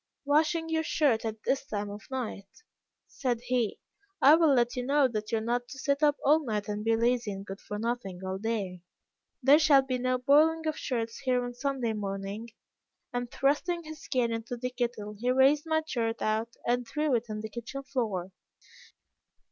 'Washing your shirt at this time of night!' said he, 'I will let you know that you are not to sit up all night and be lazy and good for nothing all day. There shall be no boiling of shirts here on Sunday morning,' and thrusting his cane into the kettle, he raised my shirt out and threw it on the kitchen floor.